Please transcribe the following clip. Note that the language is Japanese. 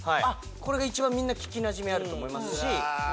これが一番みんな聞きなじみあると思いますし。